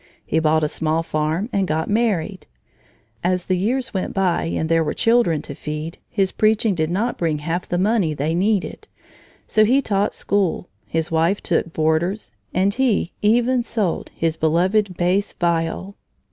He bought a small farm and got married. As the years went by and there were children to feed, his preaching did not bring half the money they needed, so he taught school, his wife took boarders, and he even sold his beloved bass viol.